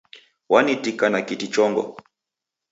Wantika na kiti chongo